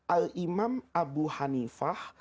al imam abu hanifah